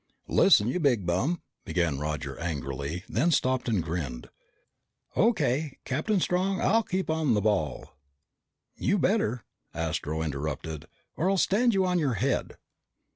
"Listen, you big bum!" began Roger angrily, then stopped and grinned. "O.K., Captain Strong, I'll keep on the ball." "You'd better," Astro interrupted, "or I'll stand you on your head!"